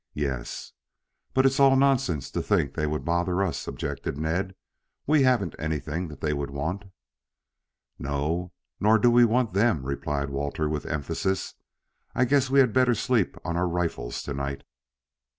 "Yes." "But it's all nonsense to think they would bother us," objected Ned. "We haven't anything that they would want." "No, nor do we want them," replied Walter, with emphasis. "I guess we had better sleep on our rifles to night."